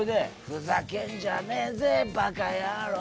「ふざけんじゃねえぜ馬鹿野郎」